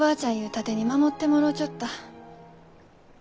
盾に守ってもろうちょった。